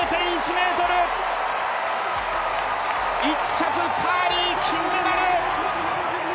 １着、カーリー金メダル。